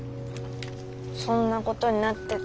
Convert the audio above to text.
そんなことになってた。